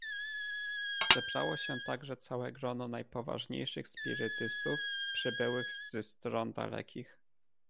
"Zebrało się także całe grono najpoważniejszych spirytystów, przybyłych z stron dalekich."